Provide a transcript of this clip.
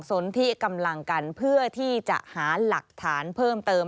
สนที่กำลังกันเพื่อที่จะหาหลักฐานเพิ่มเติม